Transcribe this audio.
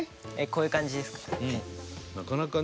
こういう感じですか？